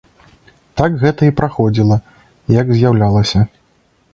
Так гэта і праходзіла, як з'яўлялася.